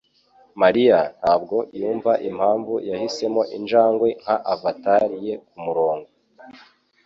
Mariya ntabwo yumva impamvu yahisemo injangwe nka avatar ye kumurongo.